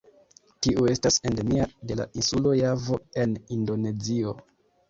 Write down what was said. Tiu estas endemia de la insulo Javo en Indonezio.